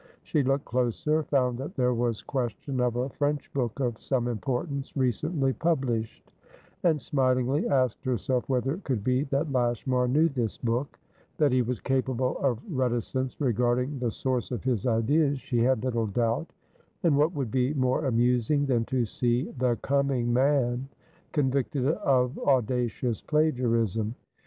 She looked closer; found that there was question of a French book of some importance, recently published; and smilingly asked herself whether it could be that Lashmar knew this book. That he was capable of reticence regarding the source of his ideas, she had little doubt; and what would be more amusing than to see "the coming man" convicted of audacious plagiarism?